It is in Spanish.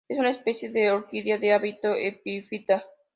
Es una especie de orquídea de hábito epifita.